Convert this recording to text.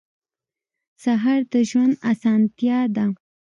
سهار د ژوند اسانتیا ده.